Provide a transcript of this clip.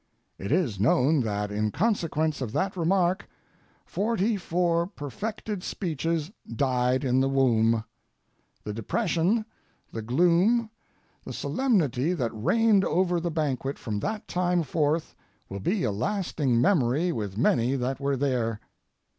It is known that in consequence of that remark forty four perfected speeches died in the womb. The depression, the gloom, the solemnity that reigned over the banquet from that time forth will be a lasting memory with many that were there.